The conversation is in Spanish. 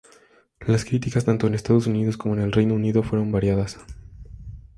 Las críticas, tanto en Estados Unidos como en el Reino Unido, fueron variadas.